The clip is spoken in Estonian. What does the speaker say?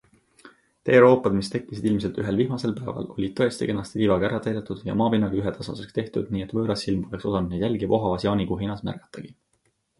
Teeroopad, mis tekkisid ilmselt ühel vihmasel päeval, olid tõesti kenasti liivaga ära täidetud ja maapinnaga ühetasaseks tehtud, nii et võõras silm poleks osanud neid jälgi vohavas jaanikuu heinas märgatagi.